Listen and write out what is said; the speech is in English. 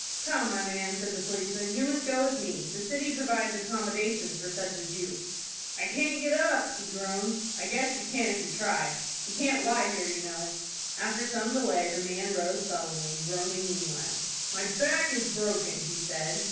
"Come, my man," said the policeman, "you must go with me. The city provides accommodations for such as you." "I can't get up," he groaned. "I guess you can if you try. You can't lie here, you know." After some delay the man rose sullenly, groaning meanwhile. "My back is broken," he said.